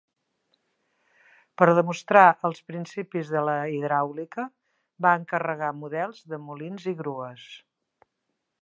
Per demostrar els principis de la hidràulica va encarregar models de molins i grues.